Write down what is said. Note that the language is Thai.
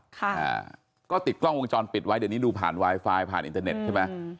ค่ะอ่าก็ติดกล้องวงจรปิดไว้เดี๋ยวนี้ดูผ่านไวไฟผ่านอินเทอร์เน็ตใช่ไหม